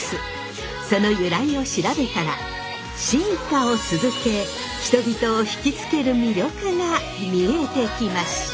その由来を調べたら進化を続け人々を惹きつける魅力が見えてきました！